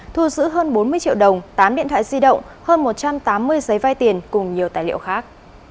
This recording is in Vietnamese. thu giữ hơn bốn mươi triệu đồng tám điện thoại di động hơn một trăm tám mươi giấy vai tiền cùng nhiều tài liệu khác